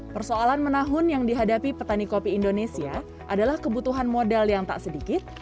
persoalan menahun yang dihadapi petani kopi indonesia adalah kebutuhan modal yang tak sedikit